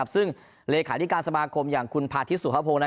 ซึ่งเลขาธิการสมาคมอย่างคุณพาทิศสุภพงศ์